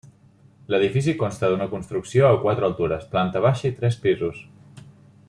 L'edifici consta d'una construcció a quatres altures, planta baixa i tres pisos.